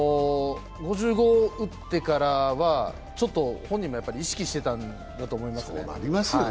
５５打ってからは本人も意識していたんだと思います。